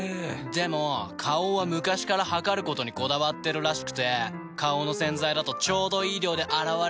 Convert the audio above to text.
でも花王は昔から量ることにこだわってるらしくて花王の洗剤だとちょうどいい量で洗われてるなって。